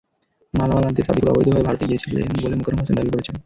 মালামাল আনতে সাদেকুল অবৈধভাবে ভারতে গিয়েছিলেন বলে মোকারম হোসেন দাবি করেছেন।